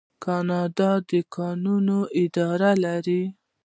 کاناډا د کانونو اداره لري.